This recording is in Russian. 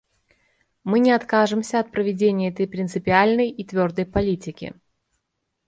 Мы не откажемся от проведения этой принципиальной и твердой политики.